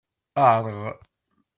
Erɣ.